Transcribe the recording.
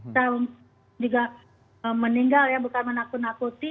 dan juga meninggal ya bukan menakut nakuti